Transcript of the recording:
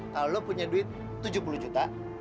kalo lo punya duit tujuh puluh juta